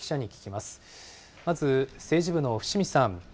まず政治部の伏見さん。